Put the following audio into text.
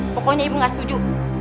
pokoknya ibu gak setuju